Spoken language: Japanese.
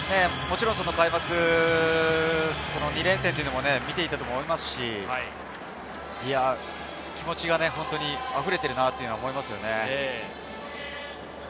もちろん開幕２連戦も見ていたと思いますし、気持ちが本当に溢れているなと思いますよね。